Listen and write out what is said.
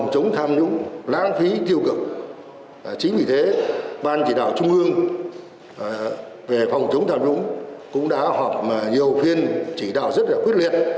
chính vì thế ban chỉ đạo trung ương về phòng chống tham nhũng cũng đã họp nhiều phiên chỉ đạo rất quyết liệt